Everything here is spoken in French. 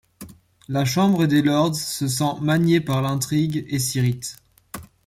La chambre des lords se sent maniée par l’intrigue et s’irrite.